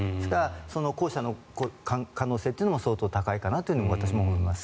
後者の可能性も相当高いかなと私も思います。